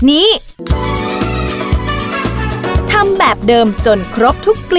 พี่ดาขายดอกบัวมาตั้งแต่อายุ๑๐กว่าขวบ